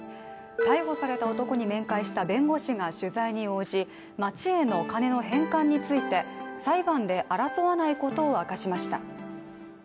逮捕された男に面会した弁護士が取材に応じ、町へのお金の返還について裁判で争わないことを明かしました。